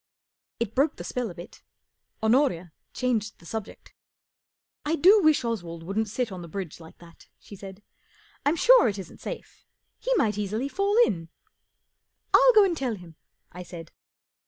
It broke the spell a bit. Honoria changed the subject. 4 I do wish Oswald wouldn't sit on the bridge like that," she said. 44 I'm sure it isn't safe. He might easily fall in." 44 I'll go and tell him," I said.